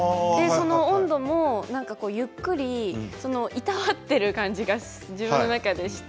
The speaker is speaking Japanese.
温度もゆっくりいたわってる感じが自分の中でして。